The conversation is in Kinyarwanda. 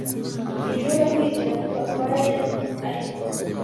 Sinshobora kwizera ko Gakwaya yari arimo